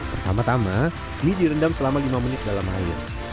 pertama tama mie direndam selama lima menit dalam air